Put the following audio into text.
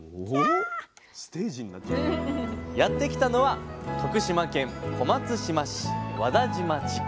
やって来たのは徳島県小松島市和田島地区。